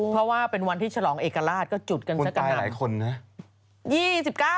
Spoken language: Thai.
เพราะว่าเป็นวันที่ฉลองเอกระราศก็จุดกันสักการณบอกว่าตายหลายคนแห๊ะ